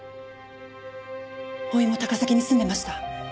甥も高崎に住んでました。